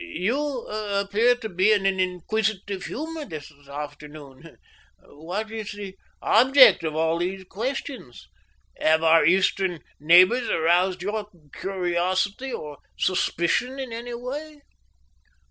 "You appear to be in an inquisitive humour this afternoon what is the object of all these questions? Have our Eastern neighbours aroused your curiosity or suspicion in any way?"